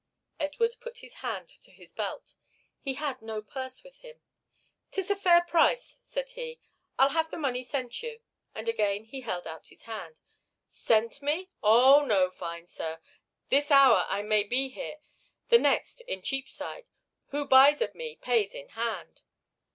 Edward put his hand to his belt. He had no purse with him. "'Tis a fair price," said he. "I'll have the money sent you," and again he held out his hand. "Sent me? Oh, no, fine sir. This hour I may be here, the next in Cheapside. Who buys of me pays in hand."